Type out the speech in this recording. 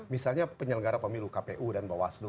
misalnya penyelenggara pemilu kpu dan bawaslu